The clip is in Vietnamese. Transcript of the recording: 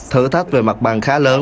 thử thách về mặt bằng khá lớn